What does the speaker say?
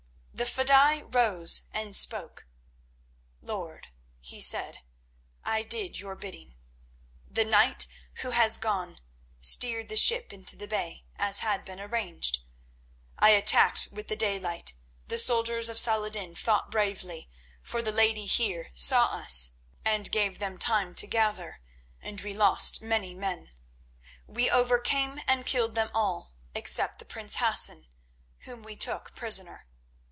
The fedaï rose and spoke. "Lord," he said, "I did your bidding. The knight who has gone steered the ship into the bay, as had been arranged. I attacked with the daylight. The soldiers of Salah ed din fought bravely, for the lady here saw us, and gave them time to gather, and we lost many men. We overcame and killed them all, except the prince Hassan, whom we took prisoner.